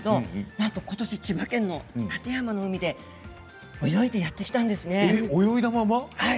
ことし、千葉県の館山の海に泳いでやって来たんですね。